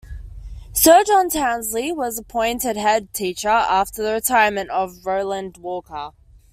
Sir John Townsley was appointed head teacher after the retirement of Roland Walker.